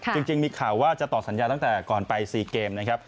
จริงมีข่าวว่าจะต่อสัญญาตั้งแต่ก่อนไป๔เกมนะครับ